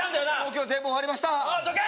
今日全部終わりましたおいどけ！